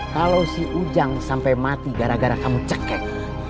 kalau si ujang sampai mati gara gara kamu cekek